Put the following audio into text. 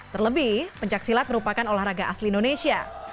terlebih pencaksilat merupakan olahraga asli indonesia